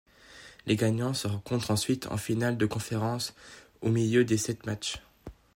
Les gagnants se rencontrent ensuite en Finales de Conférence au meilleur des sept matches.